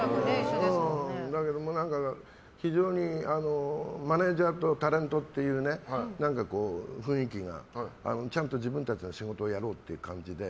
だけども非常にマネジャーとタレントっていう雰囲気が、ちゃんと自分たちの仕事をしようっていう感じで。